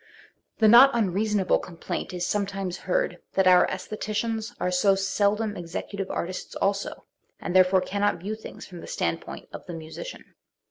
The not unreasonable complaint is sometimes heard that our sestheticians are so seldom executive, artists also, and therefore cannot view things from the standpoint; of the musician.